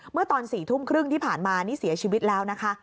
เมื่อตอน๔ทุ่มครึ่งที่ผ่านมานี่เสียชีวิตแล้วนะคะ